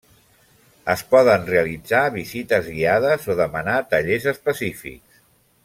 Es poden realitzar visites guiades o demanar tallers específics.